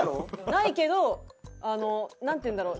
ないけどなんていうんだろう